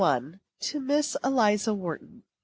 TO MISS ELIZA WHARTON.